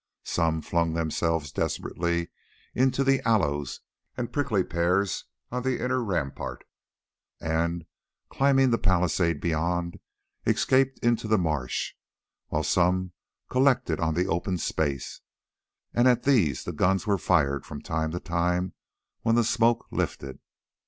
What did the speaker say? Some flung themselves desperately into the aloes and prickly pears on the inner rampart, and, climbing the palisade beyond, escaped into the marsh, while some collected on the open space, and at these the gun was fired from time to time when the smoke lifted.